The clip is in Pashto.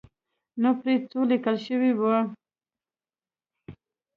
نو پرې ځو لیکل شوي وو.